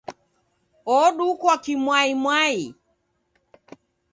Odukwa kimwaimwai!